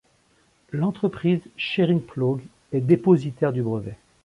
L'entreprise Schering-Plough est dépositaire du brevet.